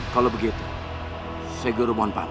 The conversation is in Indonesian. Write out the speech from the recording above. kalau begitu segu rompang